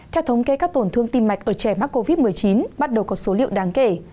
theo thống kê các tổn thương tim mạch ở trẻ mắc covid một mươi chín bắt đầu có số liệu đáng kể